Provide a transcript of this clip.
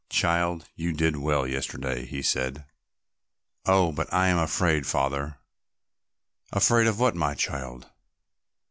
"Child, you did well yesterday," he said. "Oh, but I am afraid, Father." "Afraid of what, my child?"